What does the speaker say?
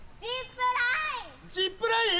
ジップライン？